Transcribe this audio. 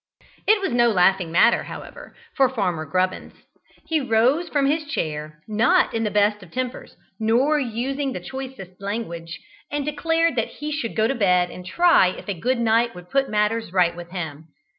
It was no laughing matter, however, for Farmer Grubbins. He rose from his chair, not in the best of tempers, nor using the choicest language, and declared that he should go to bed and try if a good night would put matters right with him.